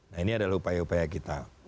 nah ini adalah upaya upaya kita